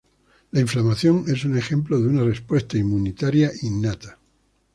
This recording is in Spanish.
La inflamación es un ejemplo de una respuesta inmunitaria innata.